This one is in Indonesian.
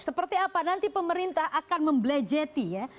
seperti apa nanti pemerintah akan membelejeti ya